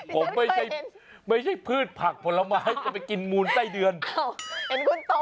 ผมไม่ใช่ไม่ใช่พืชผักผลไม้จะไปกินมูลไส้เดือนเห็นคุณโต